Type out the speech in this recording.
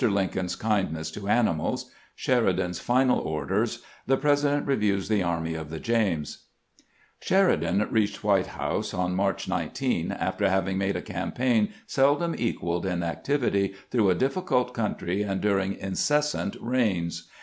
LINCOLN'S KIND NESS TO ANIMALS — SHERIDAN'S FINAL ORDERS — THE PRESIDENT REVIEWS THE ARMY OF THE JAMES SHERIDAN reached White House on March 19, after having made a campaign seldom equaled in activity, through a difficult country and during inces sant rains.